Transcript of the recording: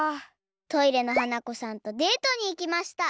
トイレの花子さんとデートにいきました。